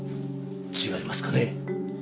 違いますかね？